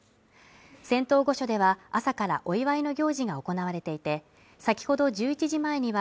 仙洞御所では朝からお祝いの行事が行われていて先ほど１１時前には